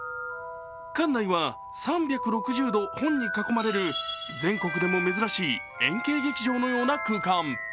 館内は３６０度本に囲まれる全国でも珍しい円形劇場のような空間。